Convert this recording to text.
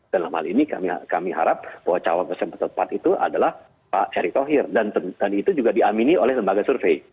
dalam hal ini kami harap bahwa cawapres yang tepat itu adalah pak erick thohir dan itu juga diamini oleh lembaga survei